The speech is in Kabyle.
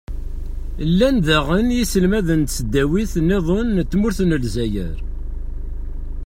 llan daɣen yiselmaden n tesdawin-nniḍen n tmurt n lezzayer.